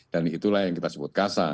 dan itulah yang kita sebut kasa